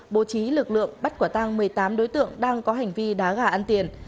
bố trí lực lượng bắt quả tăng một mươi tám đối tượng đang có hành vi đá gà ăn tiền